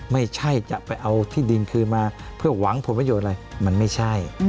ไม่ใช่จะไปเอาที่ดินคืนมาเพื่อหวังผลประโยชน์อะไรมันไม่ใช่